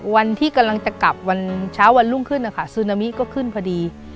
วันที่กำลังจะกลับวันเช้าวันรุ่งขึ้นนะคะซูนามิก็ขึ้นพอดี